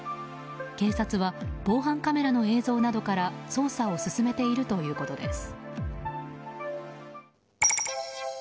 警察は防犯カメラの映像などから捜査を進めているということです。